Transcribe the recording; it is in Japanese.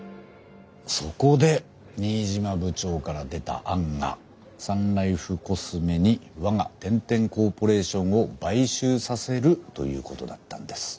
そこで新島部長から出た案がサンライフコスメに我が天・天コーポレーションを買収させるということだったんです。